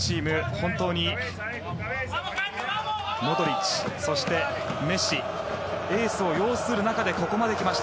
本当に、モドリッチそしてメッシエースを擁する中でここまで来ました。